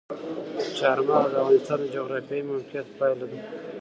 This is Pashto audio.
چار مغز د افغانستان د جغرافیایي موقیعت پایله ده.